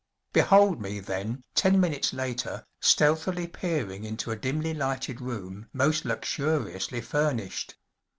Behold me then, ten minutes later, stealthily peering into a dimly lighted room most luxuriously furnished.